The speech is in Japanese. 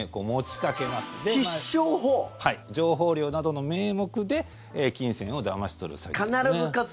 はい、情報料などの名目で金銭をだまし取る詐欺ですね。